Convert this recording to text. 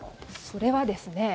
それはですね